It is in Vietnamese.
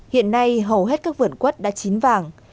hiện nay hầu hết các vườn quất đã chín vàng